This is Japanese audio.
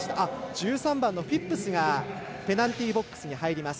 １３番のフィップスがペナルティーボックスに入ります。